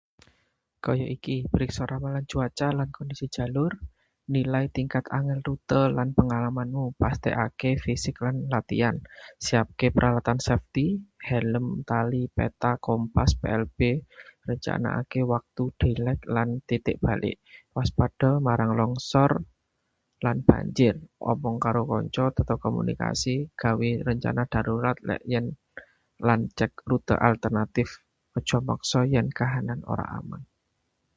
Kaya iki: priksa ramalan cuaca lan kondisi jalur; nilai tingkat angel rute lan pengalamanmu; pastèkaké fisik lan latihan; siapaké peralatan safety, helm, tali, peta, kompas, PLB; rencanakake wektu daylight lan titik balik; waspada marang longsor lan banjir; omong karo kanca, tetep komunikasi; gawe rencana darurat lan cek rute alternatip; aja maksa yen kahanan ora aman.